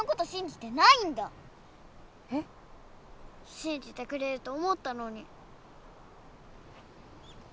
しんじてくれると思ったのに。